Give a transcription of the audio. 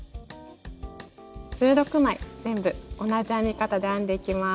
１６枚全部同じ編み方で編んでいきます。